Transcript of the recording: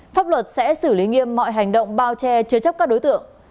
pháp luật sẽ xử lý nghiêm mọi hành động bao che chứa chấp các đối tượng